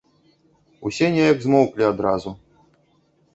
Усе неяк змоўклі адразу.